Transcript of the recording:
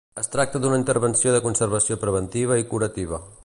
Es tracta d’una intervenció de conservació preventiva i curativa.